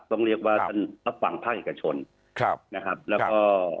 ต้องเรียกว่าท่านรับฟังภาคเอกชนครับนะครับแล้วก็